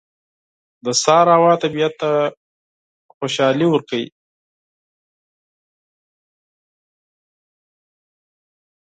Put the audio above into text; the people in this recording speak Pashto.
• د سهار هوا طبیعت ته خوښي ورکوي.